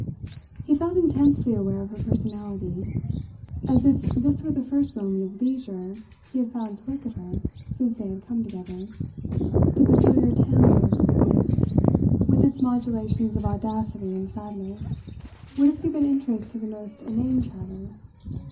He felt intensely aware of her personality, as if this were the first moment of leisure he had found to look at her since they had come together. The peculiar timbre of her voice, with its modulations of audacity and sadness, would have given interest to the most inane chatter.